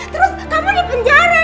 terus kamu di penjara deh